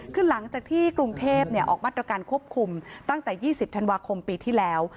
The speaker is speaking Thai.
คือหลังจากที่กรุงเทพออกมาตรการควบคุมตั้งแต่๒๐ธันวาคมปีที่แล้ว